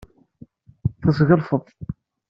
Tesgelfeḍ.